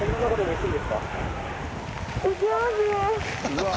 「うわ」